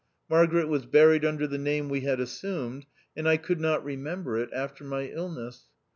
Mar garet was buried under the name we had assumed, and I could not remember it after my illness.